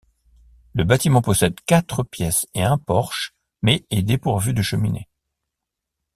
Le bâtiment possède quatre pièces et un porche mais est dépourvu de cheminée.